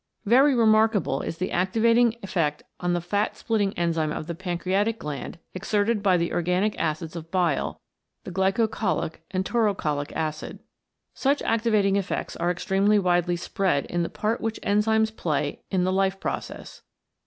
Very remarkable is the activating effect on the fat splitting enzyme of the pancreatic gland exerted by the organic acids of bile, the glycocholic and taurocholic acid. Such activating effects are extremely widely spread in the part which enzymes play in the life process.